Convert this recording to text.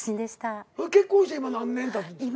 結婚して今何年たつんすか？